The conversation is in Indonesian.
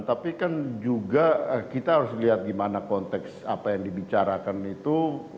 tapi kan juga kita harus lihat gimana konteks apa yang dibicarakan itu